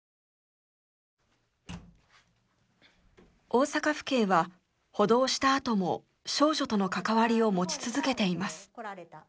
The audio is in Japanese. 大阪府警は補導したあとも少女との関わりを持ち続けています。